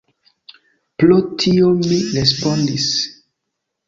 Pro tio mi respondis.